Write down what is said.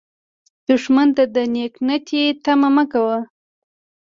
دښمن ته د نېک نیتي تمه مه کوه